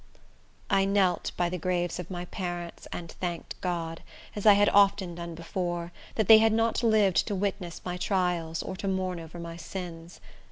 I knelt by the graves of my parents, and thanked God, as I had often done before, that they had not lived to witness my trials, or to mourn over my sins.